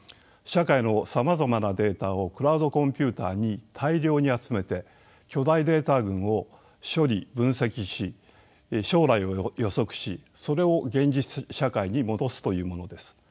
社会のさまざまなデータをクラウドコンピュータに大量に集めて巨大データ群を処理・分析し将来を予測しそれを現実社会に戻すというものです。